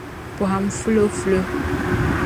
pɔhim fulofulo.